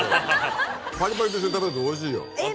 パリパリと一緒に食べるとおいしいよ。